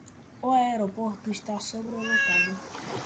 O aeroporto está sobrelotado.